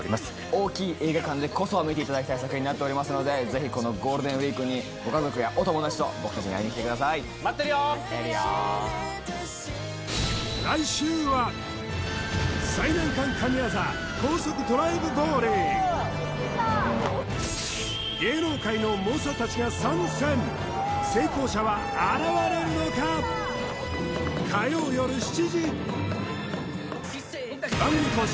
大きい映画館でこそ見ていただきたい作品になっておりますのでぜひこのゴールデンウィークにご家族やお友だちと僕たちに会いに来てください待ってるよ芸能界の猛者たちが参戦番組公式